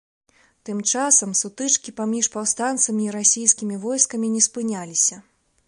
Тым часам сутычкі паміж паўстанцамі і расійскімі войскамі не спыняліся.